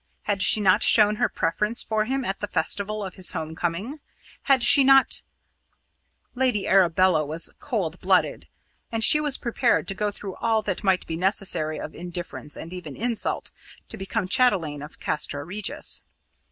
Had she not shown her preference for him at the festival of his home coming? Had she not ... Lady Arabella was cold blooded, and she was prepared to go through all that might be necessary of indifference, and even insult, to become chatelaine of Castra Regis.